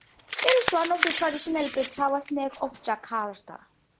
It is one of the traditional Betawi snack of Jakarta.